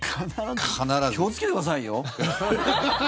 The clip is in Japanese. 気をつけてくださいよ。